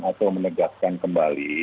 atau menegaskan kembali